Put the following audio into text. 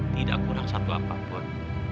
tidak kurang satu apapun